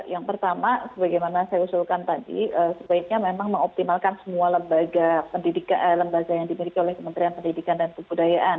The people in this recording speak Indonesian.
yang pertama sebagaimana saya usulkan tadi sebaiknya memang mengoptimalkan semua lembaga pendidikan lembaga yang dimiliki oleh kementerian pendidikan dan kebudayaan